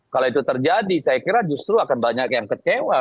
kalau itu terjadi saya kira justru akan banyak yang kecewa